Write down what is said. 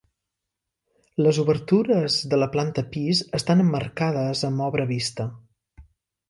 Les obertures de la planta pis estan emmarcades amb obra vista.